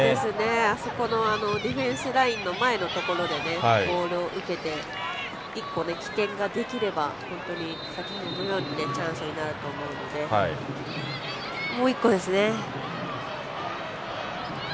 あそこのディフェンスラインの前の辺りでボールを受けて一個、危険ができれば本当にチャンスになると思うのでもう一個ですね。